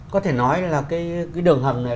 có thể nói là cái đường hầm này